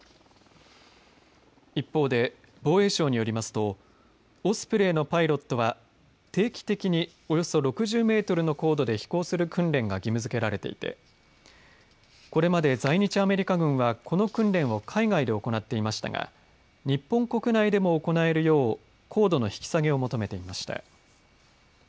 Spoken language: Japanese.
一方で、防衛省によりますとオスプレイのパイロットは定期的におよそ６０メートルの高度で飛行する訓練が義務づけられていてこれまで在日アメリカ軍はこの訓練を海外で行っていましたが日本国内でも行えるよう高度の引き下げを求めていました。